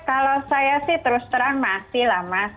kalau saya sih terus terang masih lah mas